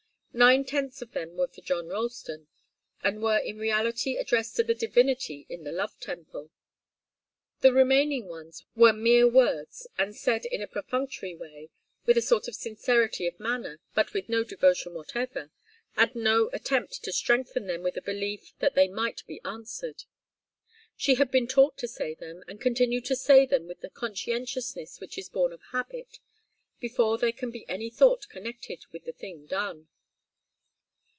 Nine tenths of them were for John Ralston, and were in reality addressed to the divinity in the love temple the remaining ones were mere words, and said in a perfunctory way, with a sort of sincerity of manner, but with no devotion whatever, and no attempt to strengthen them with a belief that they might be answered. She had been taught to say them, and continued to say them with the conscientiousness which is born of habit, before there can be any thought connected with the thing done.